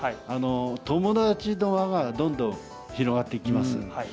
友達の輪がどんどん広がっていきます。